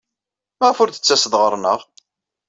Maɣef ur d-tettaseḍ ɣer-neɣ?